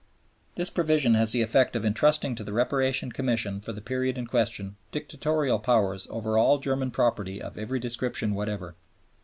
" This provision has the effect of intrusting to the Reparation Commission for the period in question dictatorial powers over all German property of every description whatever.